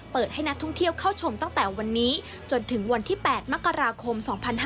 ให้นักท่องเที่ยวเข้าชมตั้งแต่วันนี้จนถึงวันที่๘มกราคม๒๕๕๙